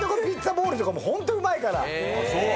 ボウルとかもホントうまいから。